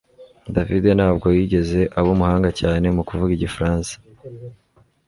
David ntabwo yigeze aba umuhanga cyane mu kuvuga igifaransa